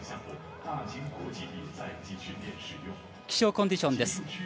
気象コンディションです。